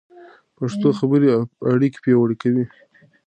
پښتو خبرې اړیکې پیاوړې کوي.